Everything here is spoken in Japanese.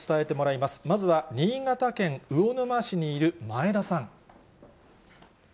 まずは新潟県魚沼市にいる前田さん。